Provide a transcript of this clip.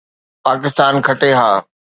پاڪستان کٽي ها